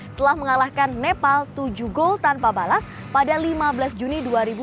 setelah mengalahkan nepal tujuh gol tanpa balas pada lima belas juni dua ribu dua puluh